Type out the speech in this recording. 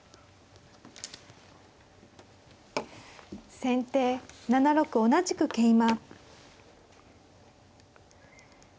先手７六同じく桂馬。